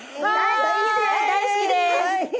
大好きです！